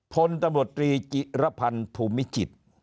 พลตำรวจตรีจิรพันธ์ภูมิจิตร